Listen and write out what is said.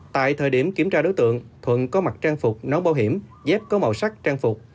tại thời điểm kiểm tra đối tượng thuận có mặc trang phục nón bảo hiểm dép có màu sắc trang phục